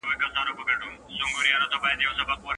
آيا ميرمني ته له خاوند څخه استمتاع حلاله ده؟